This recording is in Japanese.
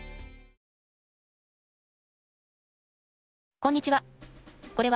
こんにちは。